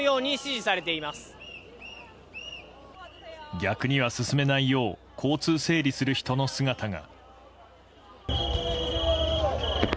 逆には進めないよう交通整理をする人の姿が。